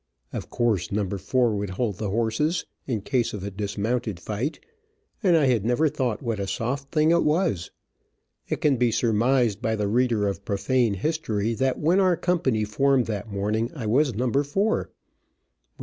Of course number four would hold the horses, in case of a dismounted fight, and I had never thought what a soft thing it was. It can be surmised by the reader of profane history, that when our company formed that morning I was number four.